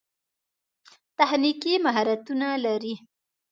تخنیکي مهارتونه لري.